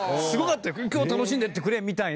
「今日楽しんでいってくれ」みたいな。